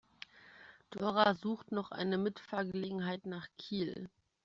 Dora sucht noch eine Mitfahrgelegenheit nach Kiel.